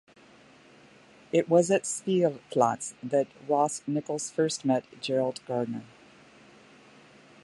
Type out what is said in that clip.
It was at Spielplatz that Ross Nichols first met Gerald Gardner.